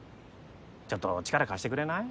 ちょっと力貸してくれない？